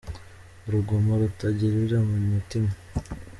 Urugomo rutangirira mu mutima